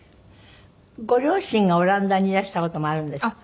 ご両親がオランダにいらした事もあるんですって？